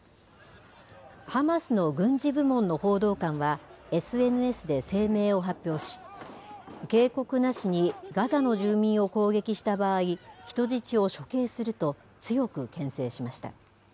ハマスの軍事部門の報道官は、ＳＮＳで声明を発表し、警告なしにガザの住民を攻撃した場合、人質を処刑すると強くけん制しました。